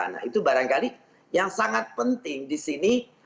nah itu barangkali yang sangat penting di sini